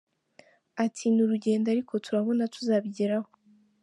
Ati “Ni urugendo ariko turabona tuzabigeraho.